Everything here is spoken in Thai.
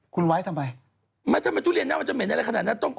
ก่อนมาชัยกับเผาไชท์เนี่ยเราเลยอี๊ะเป็นต้น